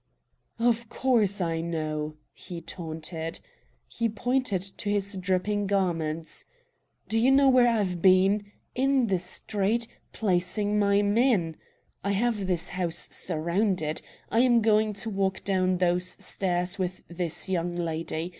"Of course I know," he taunted. He pointed to his dripping garments. "Do you know where I've been? In the street, placing my men. I have this house surrounded. I am going to walk down those stairs with this young lady.